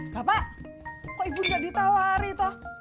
bapak kok ibu sudah ditawari toh